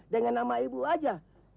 dengan nama ibu saja